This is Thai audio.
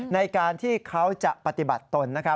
ในการที่เขาจะปฏิบัติตน